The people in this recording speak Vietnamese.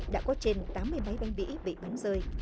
đã có trên tám mươi máy bay bị bắn rơi